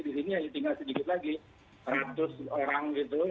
di sini ya tinggal sedikit lagi seratus orang gitu